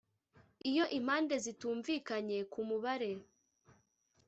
Iyo Impande Zitumvikanye Ku Mubare